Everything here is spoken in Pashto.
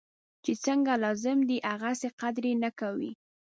چی څنګه لازم دی هغسې قدر یې نه کوي.